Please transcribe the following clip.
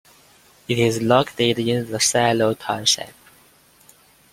It is located in the Shiloh township.